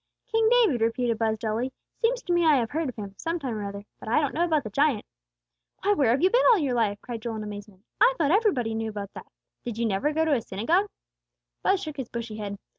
"King David!" repeated Buz, dully, "seems to me I have heard of him, sometime or other; but I don't know about the giant." "Why where have you been all your life?" cried Joel, in amazement. "I thought everybody knew about that. Did you never go to a synagogue?" Buz shook his bushy head.